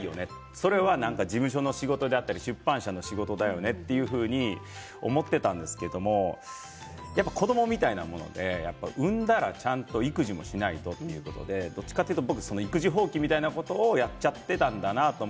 それは事務所の仕事だったり出版社の仕事だと思っていたんですけど子どもみたいなもので産んだらちゃんと育児もしないとということでどちらかというと僕育児放棄みたいなことをやっちゃったんだなと。